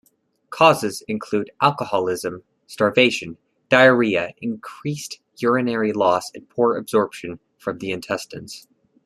Causes include alcoholism, starvation, diarrhea, increased urinary loss, and poor absorption from the intestines.